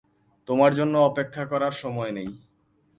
তোমার জন্য অপেক্ষা করার সময় নেই।